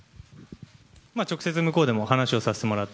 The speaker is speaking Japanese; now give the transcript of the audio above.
直接、向こうでも話をさせてもらって。